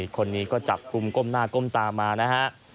คนนี้ก็จับกลุ่มก้มหน้าก้มตามานะฮะ